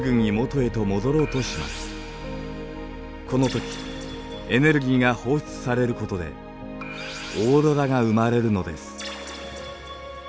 このときエネルギーが放出されることでオーロラが生まれるのです。